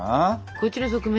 こっちの側面